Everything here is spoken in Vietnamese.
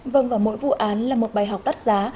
vâng và mỗi vụ án là một bài học đắt giá